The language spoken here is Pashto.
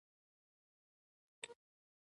تاسو په ژوند کې داسې هیڅ څه نشته چې بدلون نه شي.